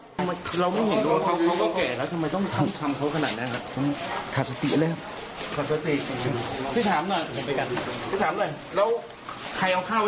เรามันเห็นดวง่าเขาเห็นแก่แล้ว